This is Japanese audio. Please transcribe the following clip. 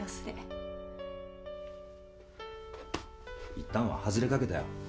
いったんは外れかけたよ。